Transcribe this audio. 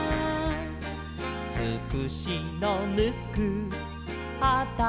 「つくしのムックあたまをだした」